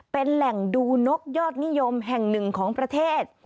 เป็นแหล่งดูนกยอดนิยมแห่งหนึ่งของประเทศ